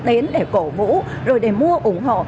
đến để cổ vũ rồi để mua ủng hộ